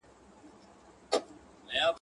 چي په گوړه مري، په زهرو ئې مه وژنه.